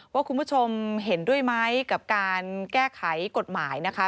ว่าคุณผู้ชมเห็นด้วยไหมกับการแก้ไขกฎหมายนะคะ